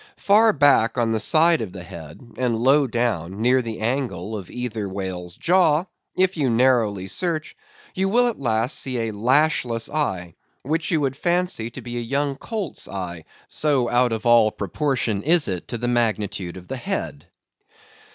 Far back on the side of the head, and low down, near the angle of either whale's jaw, if you narrowly search, you will at last see a lashless eye, which you would fancy to be a young colt's eye; so out of all proportion is it to the magnitude of the head.